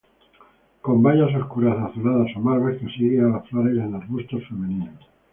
Con bayas oscuras azuladas a malvas que siguen a las flores en arbustos femeninos.